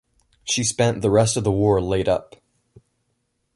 She spent the rest of the war laid up.